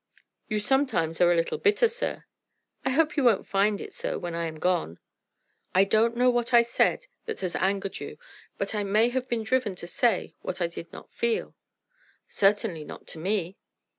"You sometimes are a little bitter, sir." "I hope you won't find it so when I am gone." "I don't know what I said that has angered you, but I may have been driven to say what I did not feel." "Certainly not to me."